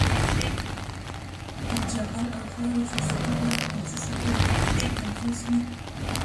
د جغل او خاورې فیصدي باید پینځه څلویښت او پنځه پنځوس وي